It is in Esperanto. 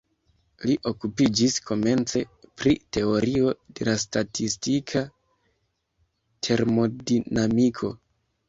Li okupiĝis komence pri teorio de la statistika termodinamiko.